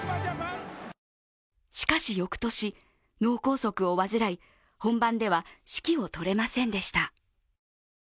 しかし翌年、脳梗塞を患い本番では指揮をとれませんでした。